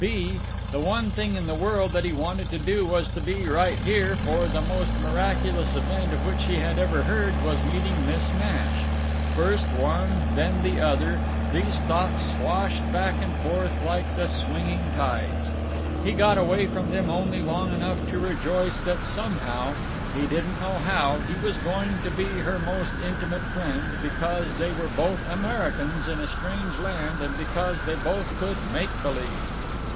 (b) The one thing in the world that he wanted to do was to be right here, for the most miraculous event of which he had ever heard was meeting Miss Nash. First one, then the other, these thoughts swashed back and forth like the swinging tides. He got away from them only long enough to rejoice that somehow—he didn't know how—he was going to be her most intimate friend, because they were both Americans in a strange land and because they both could make believe.